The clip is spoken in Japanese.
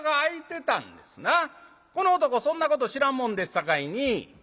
この男そんなこと知らんもんですさかいに。